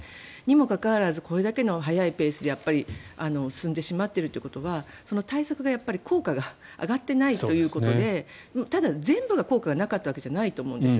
にもかかわらずこれだけの速いペースで進んでしまっているということはその対策が、効果が上がっていないということでただ、全部が効果がなかったわけじゃないと思うんです。